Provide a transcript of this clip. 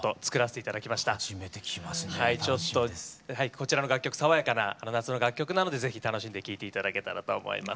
こちらの楽曲爽やかな夏の楽曲なので是非楽しんで聴いて頂けたらと思います。